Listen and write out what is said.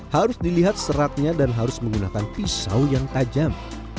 harus dilihat seratnya dan harus menggunakan pisau yang tajam